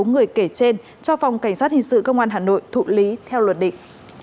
bốn người kể trên cho phòng cảnh sát hình sự công an hà nội thụ lý theo luật định